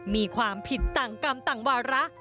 มีความผิดต่างกรรมต่างวาระ